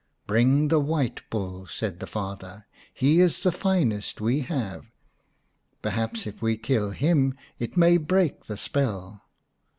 " Bring the white bull," said the father. " He is the finest we have ; perhaps if we kill him it may break the spell."